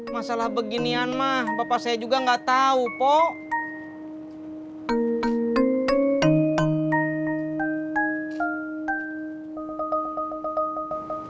masalah beginian mah bapak saya juga nggak tahu pok